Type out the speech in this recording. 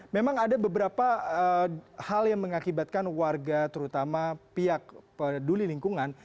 memang ada beberapa hal yang mengakibatkan warga terutama pihak peduli lingkungan